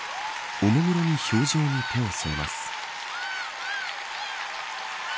おもむろに氷上に手を添えます。